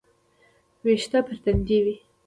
ويښته پر تندي وه.